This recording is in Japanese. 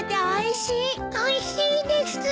おいしいです。